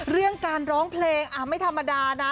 เรื่องการร้องเพลงไม่ธรรมดานะ